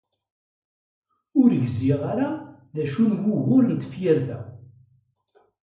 Ur gziɣ ara d acu-t wugur n tefyirt-a!